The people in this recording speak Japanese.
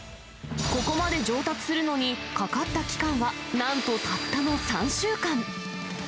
ここまで上達するのにかかった期間はなんと、たったの３週間。